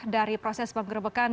dari proses penggerbekan